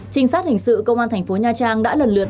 trinh sát hình sự công an thành phố nha trang đã lần lượt